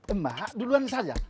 emak duluan saja